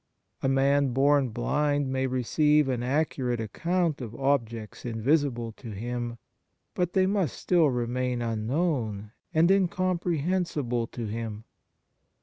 A man born blind may receive an accurate account of objects invisible to him, but they must still remain unknown and in comprehensible to him.